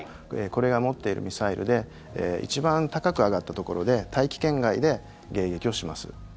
これが持っているミサイルで一番高く上がったところで大気圏外で迎撃をします。